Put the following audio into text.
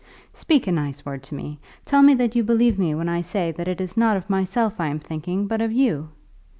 "Speak a nice word to me. Tell me that you believe me when I say that it is not of myself I am thinking, but of you."